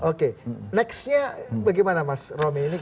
oke nextnya bagaimana mas romy